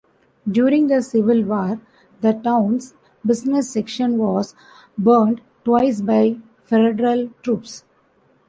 During the Civil War, the town's business section was burned twice by Federal troops.